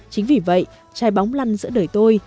chính vì vậy trai bóng lăn giữa đời tôi